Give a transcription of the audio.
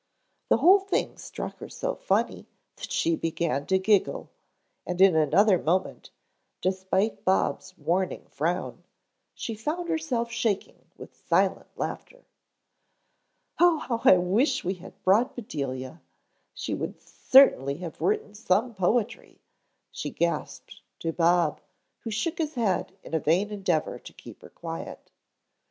The whole thing struck her so funny that she began to giggle, and in another moment, despite Bob's warning frown, she found herself shaking with silent laughter. "Oh, how I wish we had brought Bedelia! She would certainly have written some poetry," she gasped to Bob, who shook his head in a vain endeavor to keep her quiet.